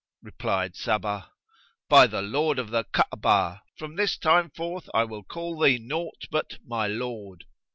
Replied Sabbah, "By the Lord of the Ka'abah, from this time forth I will call thee naught but 'my lord'!"